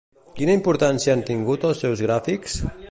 Quina importància han tingut els seus gràfics?